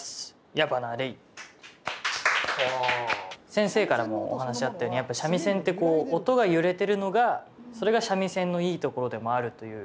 先生からもお話あったように三味線って音が揺れてるのがそれが三味線のいいところでもあるという。